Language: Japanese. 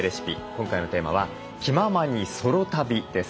今回のテーマは「気ままにソロ旅」です。